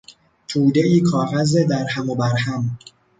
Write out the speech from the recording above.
تودهای کاغذ درهم و برهم